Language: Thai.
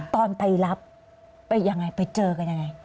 ตอนไปรับไปอย่างไรไปเจอกันอย่างไร